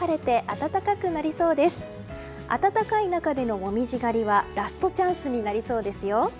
暖かい中での紅葉狩りはラストチャンスになりそうですよ。